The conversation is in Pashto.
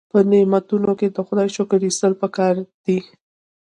په نعمتونو کې د خدای شکر ایستل پکار دي.